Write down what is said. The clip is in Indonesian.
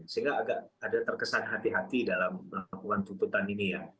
sehingga agak ada terkesan hati hati dalam melakukan tuntutan ini ya